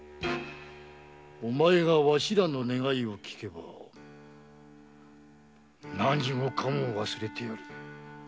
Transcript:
お前がわしらの願いをきけば何もかも忘れてやる。